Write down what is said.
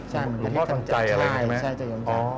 อ๋อเหมือนกับพระเทศธรรมใจใช่ไหมอ๋ออ๋อ